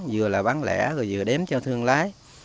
vừa là bán lẻ rồi vừa đếm cho thương lái